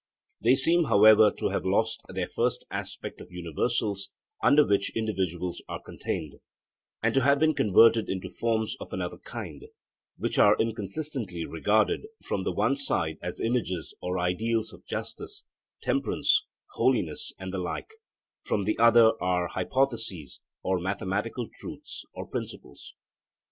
They seem, however, to have lost their first aspect of universals under which individuals are contained, and to have been converted into forms of another kind, which are inconsistently regarded from the one side as images or ideals of justice, temperance, holiness and the like; from the other as hypotheses, or mathematical truths or principles.